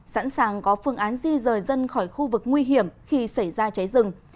sẵn sàng có phương án di rời dân khỏi khu vực nguy hiểm khi xảy ra cháy rừng